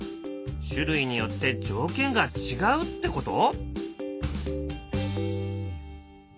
種類によって条件が違うってこと？